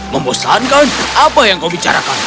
membosankan apa yang kau bicarakan